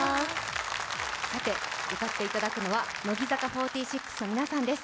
歌っていただくのは乃木坂４６の皆さんです。